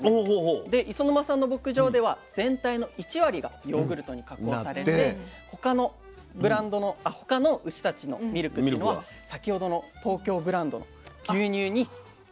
磯沼さんの牧場では全体の１割がヨーグルトに加工されて他の牛たちのミルクっていうのは先ほどの東京ブランドの牛乳になって出荷される。